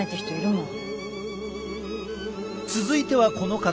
続いてはこの方。